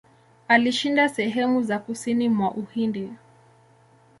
Alishinda sehemu za kusini mwa Uhindi.